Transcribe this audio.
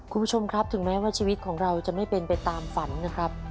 คุณผู้ชมครับถึงแม้ว่าชีวิตของเราจะไม่เป็นไปตามฝันนะครับ